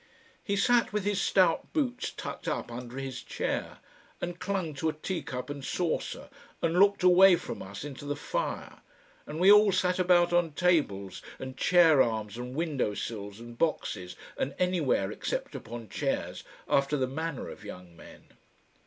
He sat with his stout boots tucked up under his chair, and clung to a teacup and saucer and looked away from us into the fire, and we all sat about on tables and chair arms and windowsills and boxes and anywhere except upon chairs after the manner of young men.